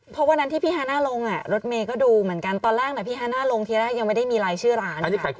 เพราะวันนั้นที่พี่ฮาน่าลงรถเมย์ก็ดูเหมือนกันตอนแรกพี่ฮาน่าลงทีแรกยังไม่ได้มีรายชื่อร้าน